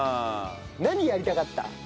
何やりたかった？